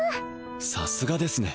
さすがですね